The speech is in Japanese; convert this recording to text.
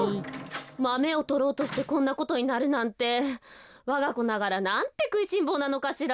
マメをとろうとしてこんなことになるなんてわがこながらなんてくいしんぼうなのかしら。